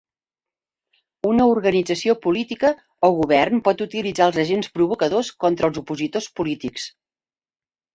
Una organització política o govern pot utilitzar els agents provocadors contra els opositors polítics.